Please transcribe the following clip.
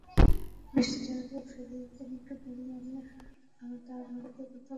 Mister ফ্যালকোনকে বলবে, আমি তার সাথে কথা বলতে চাই?